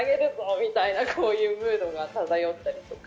みたいなムードが漂ったりとか。